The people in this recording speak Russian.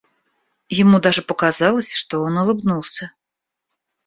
Ему даже показалось, что он улыбнулся.